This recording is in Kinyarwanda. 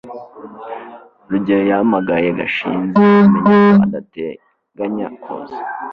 rugeyo yahamagaye gashinzi amenya ko adateganya kuza